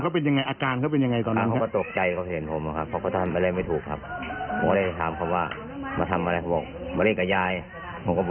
พฤติกรรมเขาเป็นยังไงอาการเขาเป็นยังไงก่อนนั้นครับ